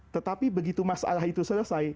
tetapi begitu masalah itu selesai